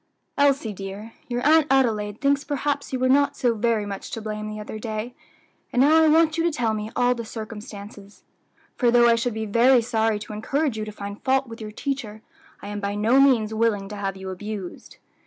"Elsie, dear, your Aunt Adelaide thinks perhaps you were not so very much to blame the other day; and now I want you to tell me all the circumstances; for though I should be very sorry to encourage you to find fault with your teacher, I am by no means willing to have you abused."